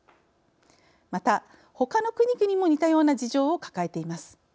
また、ほかの国々も似たような事情を抱えています。